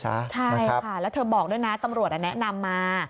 ใช่ค่ะแล้วเธอบอกด้วยนะตำรวจแนะนำมา